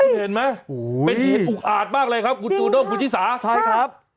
เห็นไหมเป็นที่ปรุกอาดมากเลยครับกุฏูโด่งกุฏิศาสตร์